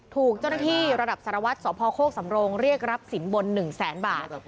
ถูกเจ้าหน้าที่ระดับสรวจสอบพ่อโครกสำโรงเรียกรับสินบนหนึ่งแสนบาท